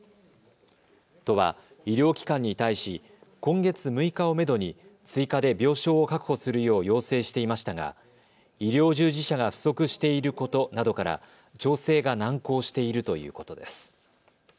都は医療機関に対し今月６日をめどに追加で病床を確保するよう要請していましたが医療従事者が不足していることなどから調整が難航しているということです。